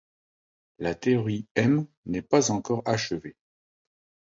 La théorie M n'est pas encore achevée.